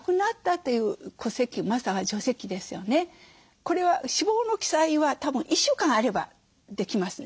これは死亡の記載はたぶん１週間あればできますね。